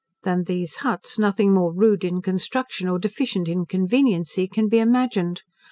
Than these huts nothing more rude in construction, or deficient in conveniency, can be imagined.